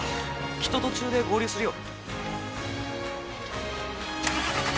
きっと途中で合流するよ。